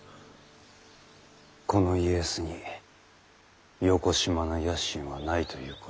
この家康によこしまな野心はないということを。